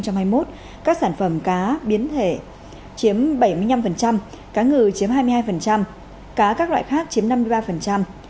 các sản phẩm cá biến thể chiếm bảy mươi năm cá ngừ chiếm hai mươi hai cá các loại khác chiếm năm mươi ba